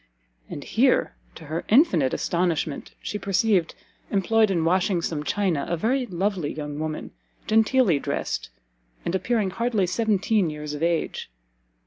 And here, to her infinite astonishment, she perceived, employed in washing some china, a very lovely young woman, [genteelly] dressed, and appearing hardly seventeen years of age.